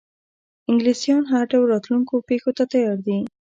انګلیسیان هر ډول راتلونکو پیښو ته تیار دي.